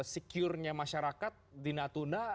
secure nya masyarakat di natuna